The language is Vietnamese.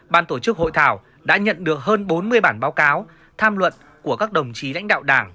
ban tổ chức hội thảo đã nhận được hơn bốn mươi bản báo cáo tham luận của các đồng chí lãnh đạo đảng